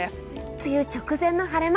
梅雨直前の晴れ間。